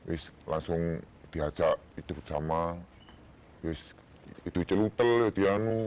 is langsung diajak hidup sama is hidup celupel ya dia no